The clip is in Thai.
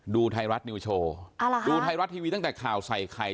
ดูไทยรัฐนิวโชว์ดูไทยรัฐทีวีตั้งแต่ข่าวใส่ไข่